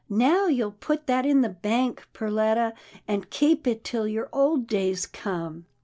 " Now you'll put that in the bank, Perletta, and keep it till your old days come."